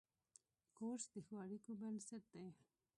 کورس د ښو اړیکو بنسټ دی.